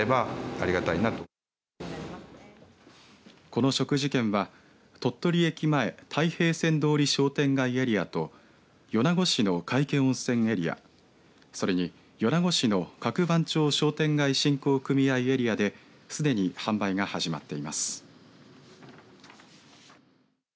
この食事券は鳥取駅前・太平線通り商店街エリアと米子市の皆生温泉エリア、それに米子市の角盤町商店街振興組合エリアですでに販売が始まっています。